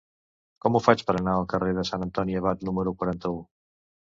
Com ho faig per anar al carrer de Sant Antoni Abat número quaranta-u?